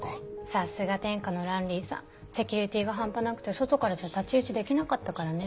さすが天下のランリーさんセキュリティーが半端なくて外からじゃ太刀打ちできなかったからね。